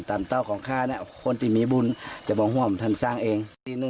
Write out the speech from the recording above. เต้าของข้าเนี่ยคนที่มีบุญจะบอกห่วงท่านสร้างเอง